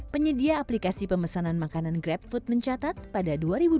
penyedia aplikasi pemesanan makanan grab food mencatat pada dua ribu dua puluh